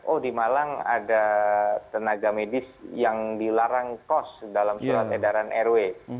oh di malang ada tenaga medis yang dilarang kos dalam surat edaran rw